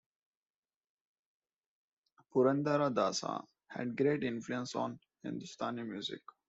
Purandara Dasa had great influence on Hindustani music.